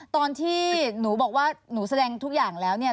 ตอนที่หนูบอกว่าหนูแสดงทุกอย่างแล้วเนี่ย